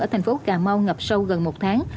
ở thành phố cà mau ngập sâu gần một tháng